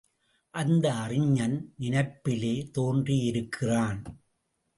அந்த அறிஞன் நினைப்பிலே தோன்றியிருக்கிறான்.